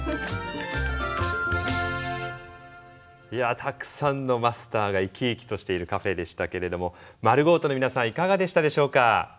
いやたくさんのマスターが生き生きとしているカフェでしたけれどもｍａｒｕｇｏ−ｔｏの皆さんいかがでしたでしょうか？